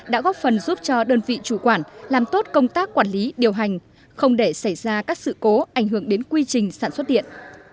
đã góp phần giúp cho đơn vị chủ quản làm tốt công tác quản lý điều hành không để xảy ra các sự cố ảnh hưởng đến quy trình sản xuất điện